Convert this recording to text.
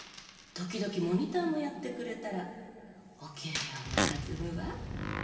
時々モニターもやってくれたらお給料も弾むわ。